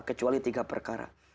kecuali tiga perkara